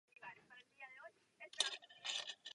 Jeho otec byl hradní pán a rytíř.